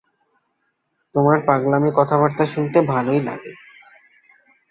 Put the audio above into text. তোমার পাগলামি কথাবার্তা শুনতে ভালোই লাগে।